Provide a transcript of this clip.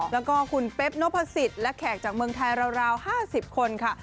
แล้วก็คุณเป๊บนพสิทธิ์และแขกจากเมืองไทยราว๕๐คนค่ะ